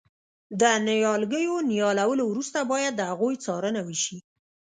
د نیالګیو نیالولو وروسته باید د هغوی څارنه وشي.